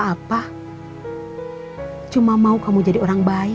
apa cuma mau kamu jadi orang baik